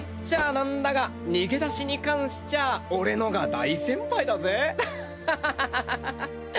なんだが逃げ出しに関しちゃあ俺のが大先輩だぜハハハ。